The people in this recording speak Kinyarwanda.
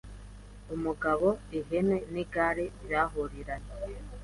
Umugabo, ihene n’igare byahuriranye.